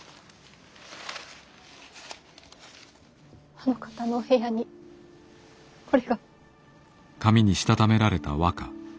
あの方のお部屋にこれが。